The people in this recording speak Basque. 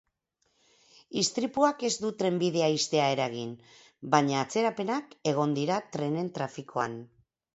Istripuak ez du trenbidea ixtea eragin, baina atzerapenak egon dira trenen trafikoan.